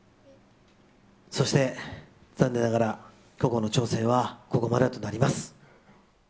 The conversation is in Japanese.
そして、残念ながらココの挑戦はここまでとなります。